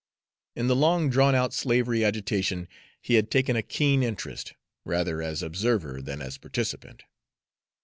In the long drawn out slavery agitation he had taken a keen interest, rather as observer than as participant.